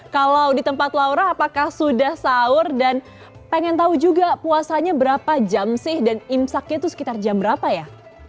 kalau di tempat laura apakah sudah sahur dan pengen tahu juga puasanya berapa jam sih dan imsaknya itu sekitar jam berapa ya